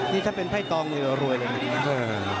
นี่ถ้าเป็นไพ่ตองนี่รวยเลยนะ